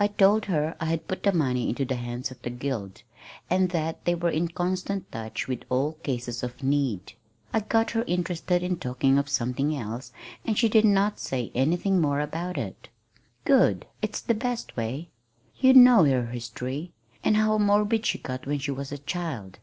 I told her I had put the money into the hands of the Guild, and that they were in constant touch with all cases of need. I got her interested in talking of something else, and she did not say anything more about it." "Good! It's the best way. You know her history, and how morbid she got when she was a child.